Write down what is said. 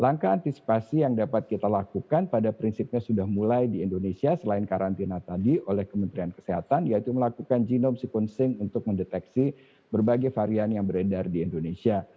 langkah antisipasi yang dapat kita lakukan pada prinsipnya sudah mulai di indonesia selain karantina tadi oleh kementerian kesehatan yaitu melakukan genome sequencing untuk mendeteksi berbagai varian yang beredar di indonesia